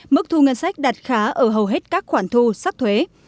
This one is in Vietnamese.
mức thu ngân sách đạt khá ở hầu hết các khoản thu sắc thuế